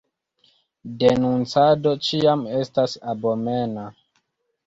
Denuncado ĉiam estas abomena.